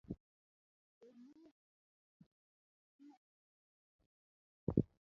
Be ingeyo piro nyathii mathis ahinya?